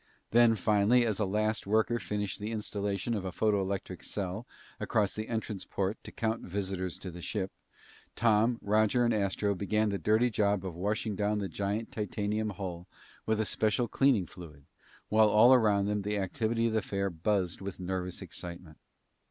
Then, finally, as a last worker finished the installation of a photoelectric cell across the entrance port to count visitors to the ship, Tom, Roger, and Astro began the dirty job of washing down the giant titanium hull with a special cleaning fluid, while all around them the activity of the fair buzzed with nervous excitement.